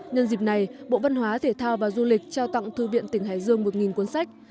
nhân dịp này bộ văn hóa thể thao và du lịch trao tặng thư viện tỉnh hải dương một cuốn sách